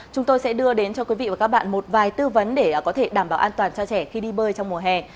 chúng tôi sẽ đưa đến cho quý vị và các bạn một vài tư vấn để có thể đảm bảo an toàn cho trẻ khi đi bơi trong mùa hè